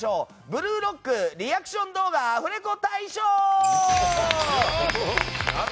「ブルーロック」リアクション動画アフレコ大賞。